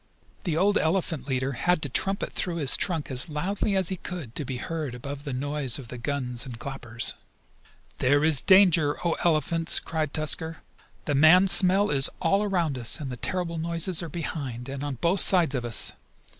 The old elephant leader had to trumpet through his trunk as loudly as he could to be heard above the noise of the guns and clappers. "There is danger, O Elephants!" cried Tusker. "The man smell is all around us, and the terrible noises are behind, and on both sides of us.